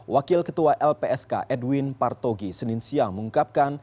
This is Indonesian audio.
wakil ketua lpsk edwin partogi senin siang mengungkapkan